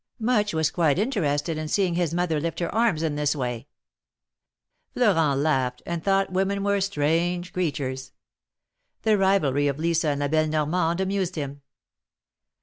Much was quite interested in seeing his mother lift her arms in this way. Florent laughed, and tliought women were strange creatures. The rivalry of Lisa and La belle Normande amused him.